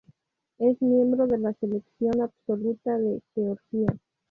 Es miembro de la selección absoluta de Georgia.